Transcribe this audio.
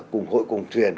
cùng hội cùng thuyền